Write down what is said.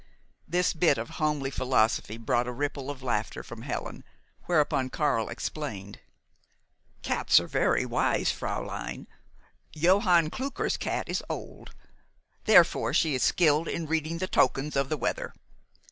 This bit of homely philosophy brought a ripple of laughter from Helen, whereupon Karl explained. "Cats are very wise, fräulein. Johann Klucker's cat is old. Therefore she is skilled in reading the tokens of the weather.